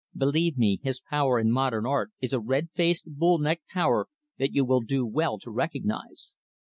Believe me, his power in modern art is a red faced, bull necked power that you will do well to recognize.